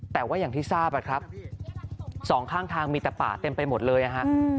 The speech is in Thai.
แต่ว่าอย่างที่ทราบอะครับสองข้างทางมีแต่ป่าเต็มไปหมดเลยนะฮะ